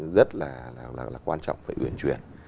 rất là quan trọng phải huyền chuyển